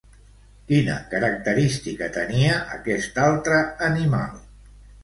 Quina característica tenia aquest altre animal?